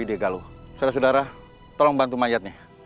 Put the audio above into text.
saudara saudara tolong bantu mayatnya